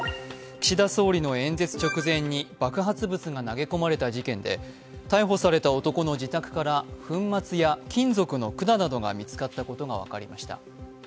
岸田総理の演説直前に爆発物が投げ込まれた事件で逮捕された男の自宅から粉末や金属の管などが見つかったことが分かりました。